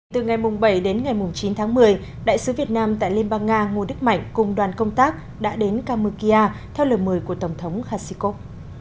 từ ngày bảy đến ngày chín tháng một mươi đại sứ việt nam tại liên bang nga ngô đức mạnh cùng đoàn công tác đã đến kamukia theo lời mời của tổng thống khasikov